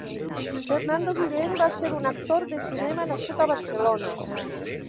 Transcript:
Fernando Guillén va ser un actor de cinema nascut a Barcelona.